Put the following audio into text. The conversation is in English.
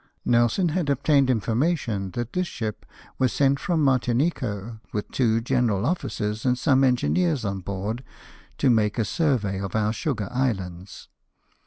Nelson had obtained information that this ship was sent from Martinico, with two general officers and some engineers on board, to make a survey of our sugar islands.